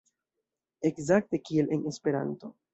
Ekzakte kiel en Esperanto.